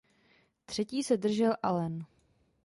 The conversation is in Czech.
Třetí se držel Alen.